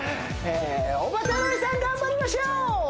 おばたのお兄さん頑張りましょう！